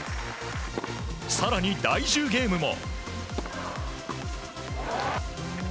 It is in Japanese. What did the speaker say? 更に、第１０ゲームも。